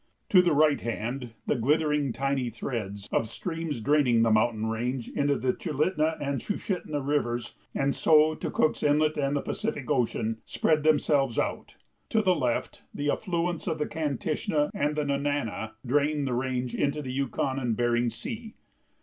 To the right hand the glittering, tiny threads of streams draining the mountain range into the Chulitna and Sushitna Rivers, and so to Cook's Inlet and the Pacific Ocean, spread themselves out; to the left the affluents of the Kantishna and the Nenana drained the range into the Yukon and Bering Sea.